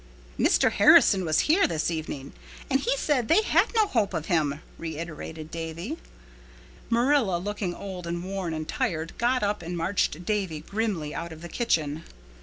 "Mr. Harrison was here this evening and he said they had no hope of him," reiterated Davy. Marilla, looking old and worn and tired, got up and marched Davy grimly out of the kitchen.